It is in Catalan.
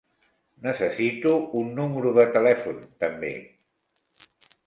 Necessito un número de telèfon també.